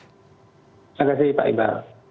terima kasih pak iba